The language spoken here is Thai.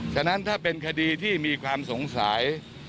ฉะนั้นถ้าเป็นคดีที่มีความสงสัย